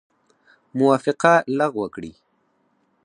موافقه لغو کړي.